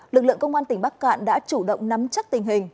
lực lượng công an tỉnh bắc cạn đã chủ động nắm chắc tình hình